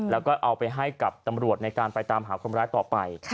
แล้วก็เอาไปให้กับตำรวจในการไปตามหาคนร้ายต่อไป